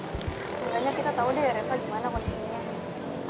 sebenarnya kita tahu deh ya reva gimana kondisinya